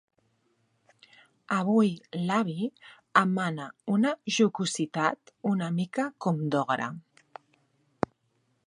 Avui l'avi emana una jocositat una mica com d'ogre.